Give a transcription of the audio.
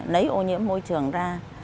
lấy ô nhiễm môi trường ra